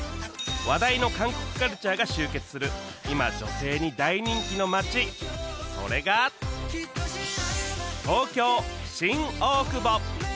話題の韓国カルチャーが集結する今女性に大人気の街それが東京新大久保